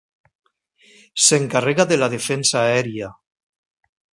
S'encarrega de la defensa aèria.